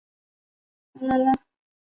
但是这楼梯不可以在紧急时使用。